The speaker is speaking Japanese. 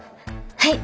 はい。